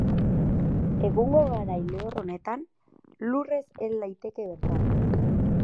Egungo garai lehor honetan, lurrez hel daiteke bertara.